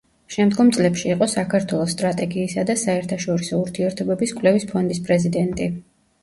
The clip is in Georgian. შემდგომ წლებში იყო საქართველოს სტრატეგიისა და საერთაშორისო ურთიერთობების კვლევის ფონდის პრეზიდენტი.